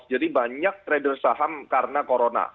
jadi banyak trader saham karena corona